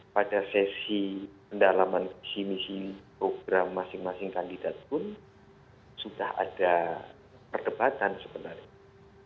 kalau kita simak dengan sekepala debat pertama juga memang ada kekurangan tetapi tidak sepenuhnya kritik itu benar